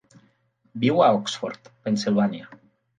Viu a Oxford, Pennsilvània.